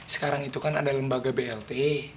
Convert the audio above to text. sekarang itu kan ada lembaga blt